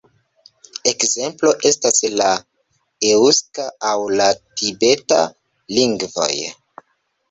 Ekzemplo estas la eŭska aŭ la tibeta lingvoj.